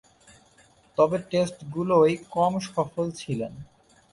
তবে, টেস্টগুলোয় কম সফল ছিলেন।